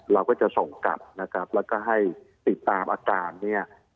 เราก็จะส่งกลับนะครับแล้วก็ให้ติดตามอาการเนี่ย